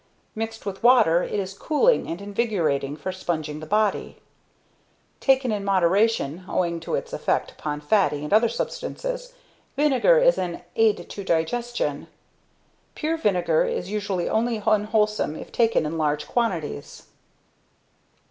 Mixed with water it is cooling and invigorating for sponging the body. Taken in moderation, owing to its effect upon fatty and other substances, vinegar is an ~aid to digestion~. Pure vinegar is usually only unwholesome if taken in large quantities.